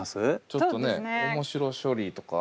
ちょっとね面白処理とか。